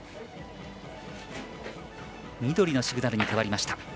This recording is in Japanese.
緑のシグナルに変わりました。